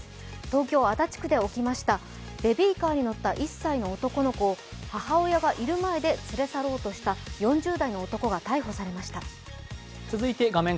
東京・足立区で起きましたベビーカーに乗った１歳の男の子を母親がいる前で連れ去ろうとした４０代の男が逮捕されました。